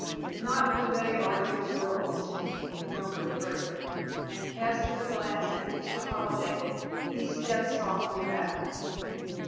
"Not when they are young girls," murmured Frederick, and casting a glance at Mr. Halliday, he stepped softly back.